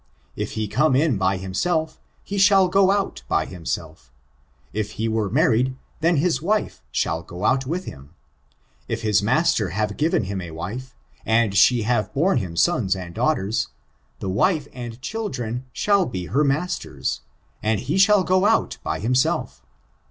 If he come in by himself, he shall go (ml by himself; if he were married, then his wife shall go out with him. If his master have given him a wife, and she have borne him sons and daughters, the wife aod children shall be her master's, and he shall go out by himself.